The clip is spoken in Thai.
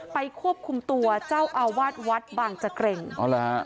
ไปควบคุมตัวเจ้าอาวาสวัดบางจกรรม